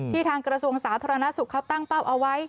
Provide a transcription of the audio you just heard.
ที่ทางกระทรวงศาสตร์ธรรณสุขเขาตั้งเป้าเอาไว้